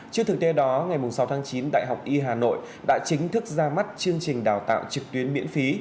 trước thực tế đó ngày sáu tháng chín đại học y hà nội đã chính thức ra mắt chương trình đào tạo trực tuyến miễn phí